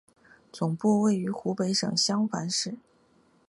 总部位于湖北省襄樊市。